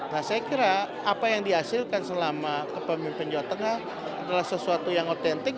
nah saya kira apa yang dihasilkan selama kepemimpinan jawa tengah adalah sesuatu yang otentik